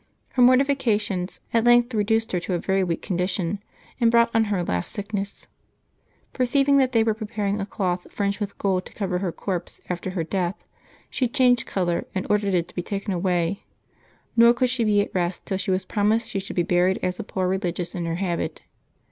Her mortifications at length reduced her to a very weak condition, and brought on her last sickness. Perceiving that they were preparing a cloth fringed with gold to cover her corpse after her death, she changed color and ordered it to be taken away; nor could she be at rest till she was promised she should be buried as a poor religious in her habit.